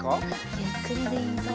ゆっくりでいいぞ。